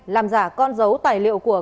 làm giả con dấu tài liệu của